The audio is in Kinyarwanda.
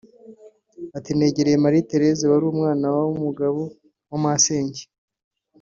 Ati “Negereye Marie Thérèse wari umwana w’umugabo wa masenge